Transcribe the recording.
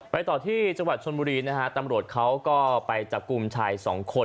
ไปต่อที่จังหวัดชนบุรีนะธรรมรวจเขาก็ไปจับกลุ้มสาย๒คน